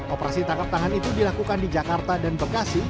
operasi tangkap tangan itu dilakukan di jakarta dan bekasi